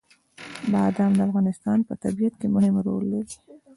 بادام د افغانستان په طبیعت کې مهم رول لري.